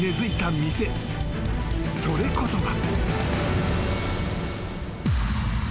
［それこそが］